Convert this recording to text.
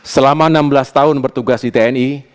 selama enam belas tahun bertugas di tni